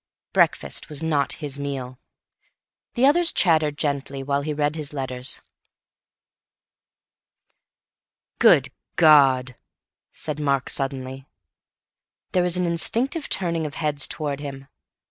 Breakfast was not his meal. The others chattered gently while he read his letters. "Good God!" said Mark suddenly. There was an instinctive turning of heads towards him.